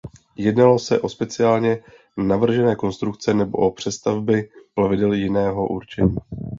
Jednalo se o speciálně navržené konstrukce nebo o přestavby plavidel jiného určení.